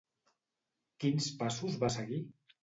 Quins passos va seguir?